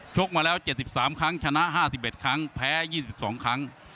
กมาแล้ว๗๓ครั้งชนะ๕๑ครั้งแพ้๒๒ครั้ง